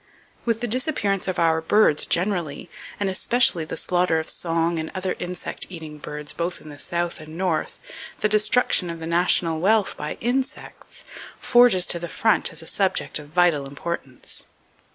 With the disappearance of our birds generally, and especially the slaughter of song and other insect eating birds both in the South and North, the destruction of the national wealth by insects forges to the front as a subject of vital importance.